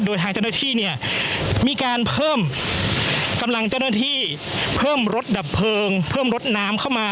โดยทางเจ้าหน้าที่เนี่ยมีการเพิ่มกำลังเจ้าหน้าที่เพิ่มรถดับเพลิงเพิ่มรถน้ำเข้ามา